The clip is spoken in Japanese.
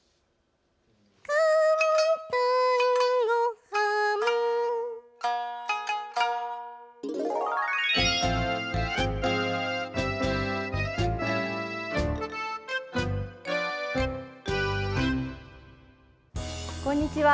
こんにちは。